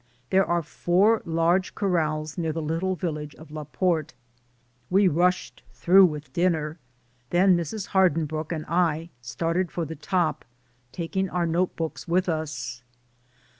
There are four large corrals near the little village of La Porte. We rushed through with dinner, then Mrs. Hardinbrooke and I started for the top, taking our note books with us.